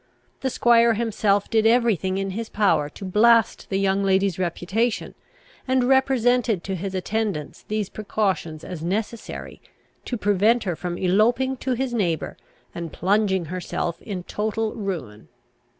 The squire himself did every thing in his power to blast the young lady's reputation, and represented to his attendants these precautions as necessary, to prevent her from eloping to his neighbour, and plunging herself in total ruin.